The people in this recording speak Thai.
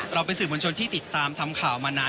เราเป็นสื่อมวลชนที่ติดตามทำข่าวมานาน